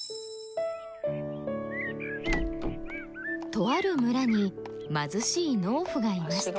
とある村に貧しい農夫がいました。